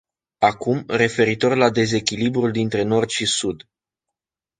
Acum, referitor la dezechilibrul dintre nord și sud.